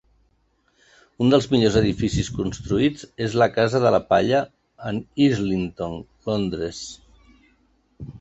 Un dels millors edificis construïts és la Casa de la Palla en Islington, Londres.